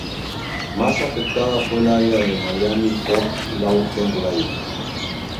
Más afectada fue el área de Miami-Fort Lauderdale.